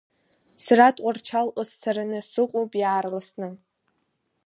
Сара Тҟәарчалҟа сцараны сыҟоуп иаарласны…